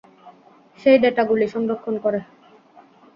সেই ডেটা গুলি সংরক্ষণ করে।